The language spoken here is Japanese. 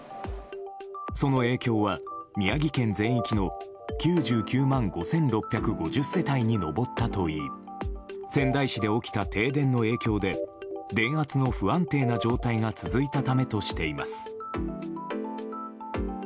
その影響は、宮城県全域の９９万５６５０世帯に上ったといい仙台市で起きた停電の影響で電圧の不安定な状態が続いたためとしています。